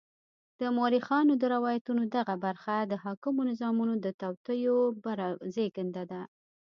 د مورخانو د روایتونو دغه برخه د حاکمو نظامونو د توطیو زېږنده ده.